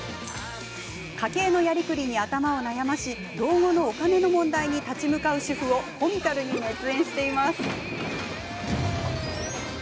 家計のやりくりに頭を悩まし老後のお金の問題に立ち向かう主婦をコミカルに熱演しています。